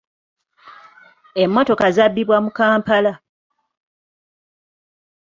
Emmotoka zabbibwa mu Kampala.